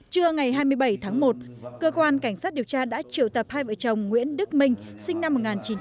trưa ngày hai mươi bảy tháng một cơ quan cảnh sát điều tra đã triệu tập hai vợ chồng nguyễn đức minh sinh năm một nghìn chín trăm tám mươi